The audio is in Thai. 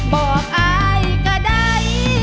บอกอายก็ได้